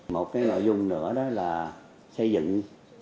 một cái nội dung nữa đó là xây dựng chính sách